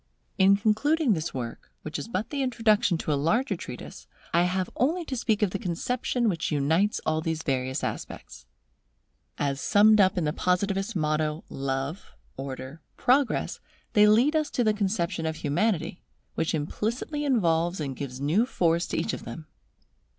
In concluding this work, which is but the introduction to a larger treatise, I have only to speak of the conception which unites all these various aspects. As summed up in the positivist motto, Love, Order, Progress, they lead us to the conception of Humanity, which implicitly involves and gives new force to each of them.